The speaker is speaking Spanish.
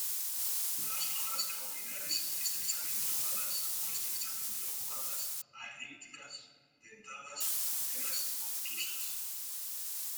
Las hojas caulinares estrechamente ovadas o estrechamente obovadas a elípticas, dentadas o enteras, obtusas.